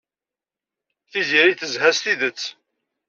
Tiziri tezha s tidet.